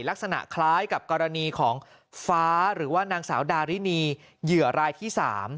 ลักษณะคล้ายกับกรณีของฟ้าหรือว่านางสาวดารินีเหยื่อรายที่๓